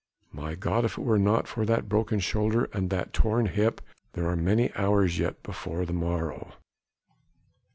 "My God, if it were not for that broken shoulder and that torn hip! ... there are many hours yet before the morrow."